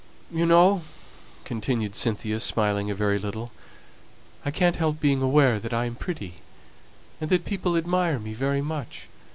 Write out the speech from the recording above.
You know," continued Cynthia, smiling a very little, "I can't help being aware that I'm pretty, and that people admire me very much.